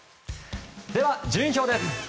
では、順位表です。